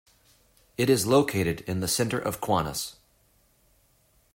It is located in the center of Kaunas.